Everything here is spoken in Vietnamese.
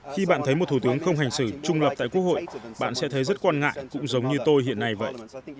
khi bạn thấy một thủ tướng không hành xử trung lập tại quốc hội bạn sẽ thấy rất quan ngại cũng giống như tôi hiện nay vậy